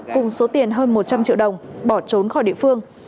cùng số tiền hơn một trăm linh triệu đồng bỏ trốn khỏi địa phương